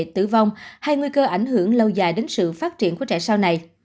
tử vong hay nguy cơ ảnh hưởng lâu dài đến sự phát triển của trẻ sau này